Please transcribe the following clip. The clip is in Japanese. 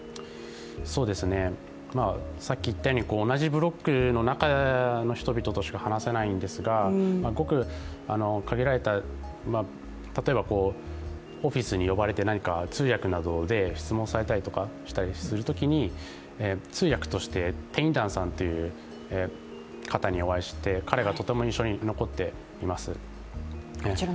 同じブロックの中の人々としか話せないんですがごく限られた、例えばオフィスに呼ばれて、通訳などで質問されたりなどするときに通訳としてテインダンさんという方にお会いして彼がとても印象に残っています。